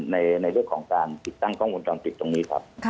ในเรื่องของการติดตั้งกล้องวงจรปิดตรงนี้ครับ